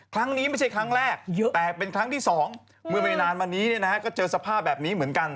ครั้งนี้ไม่ใช่ครั้งแรกแต่เป็นครั้งที่สองเมื่อไม่นานมานี้ก็เจอสภาพแบบนี้เหมือนกัน